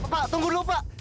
pak tunggu dulu pak